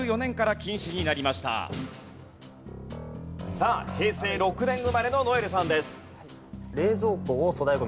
さあ平成６年生まれの如恵留さんです。